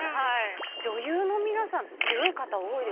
女優の皆さん強い方多いですよね。